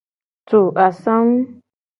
Tu asangu.